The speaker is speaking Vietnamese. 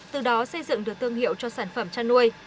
từ đó xây dựng được tương hiệu cho sản phẩm chất nuôi